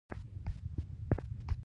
ژبې د افغان کلتور سره نږدې تړاو لري.